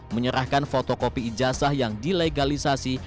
menyerahkan fotokopi ijazah yang dilegalisasi